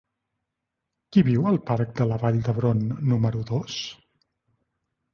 Qui viu al parc de la Vall d'Hebron número dos?